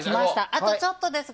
あとちょっとです。